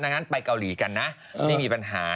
ดังนั้นไปเกาหลีกันนะไม่มีปัญหา